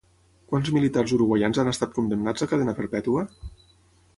Quants militars uruguaians han estat condemnats a cadena perpètua?